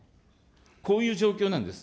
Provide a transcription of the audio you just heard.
こういう状況なんです。